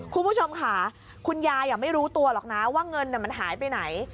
คุณผู้ชมค่ะคุณยายไม่รู้ตัวหรอกนะว่าเงินมันหายไปไหน